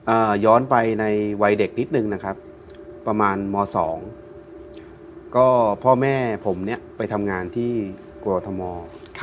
ย้อนไปในวัยเด็กนิดนึงนะครับประมาณมสองก็พ่อแม่ผมเนี้ยไปทำงานที่กรทม